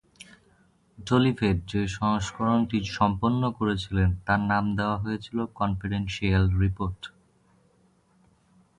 Dolivet যে সংস্করণটি সম্পন্ন করেছিলেন তার নাম দেওয়া হয়েছিল "কনফিডেনশিয়াল রিপোর্ট"।